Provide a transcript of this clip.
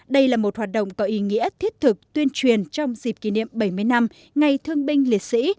đây là một hoạt động có ý nghĩa thiết thực tuyên truyền trong dịp kỷ niệm bảy mươi năm ngày thương binh liệt sĩ